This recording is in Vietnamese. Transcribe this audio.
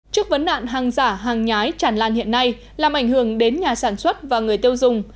trước vấn đạn hàng giả hàng nhái chản lan hiện nay làm ảnh hưởng đến nhà sản xuất và người tiêu dùng